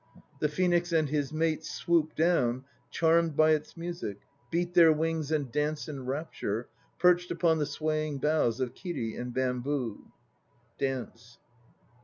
5 The phoenix and his mate swoop down Charmed by its music, beat their wings And dance in rapture, perched upon the swaying boughs Of kiri and bamboo. (Dance.)